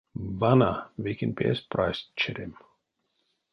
Вана, вейкень пес прасть черем.